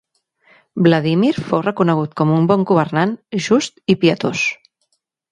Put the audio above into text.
Vladímir fou reconegut com un bon governant, just i pietós.